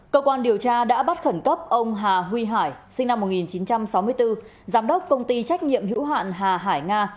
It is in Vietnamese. cơ quan điều tra đã bắt khẩn cấp ông hà huy hải sinh năm một nghìn chín trăm sáu mươi bốn giám đốc công ty trách nhiệm hữu hạn hà hải nga